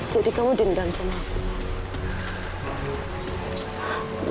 jadi kamu dendam sama aku